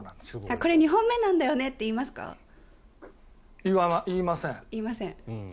これ２本目なんだよねって言いますか？